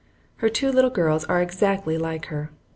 Her two little girls are exactly like her.